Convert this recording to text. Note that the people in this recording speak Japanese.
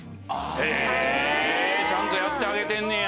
へぇちゃんとやってあげてんねや。